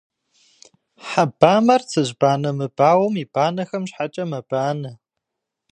Хьэ бамэр цыжьбанэ мыбауэм и банэхэм щхьэкӏэ мэбанэ.